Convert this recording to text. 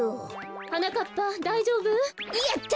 はなかっぱだいじょうぶ？やった！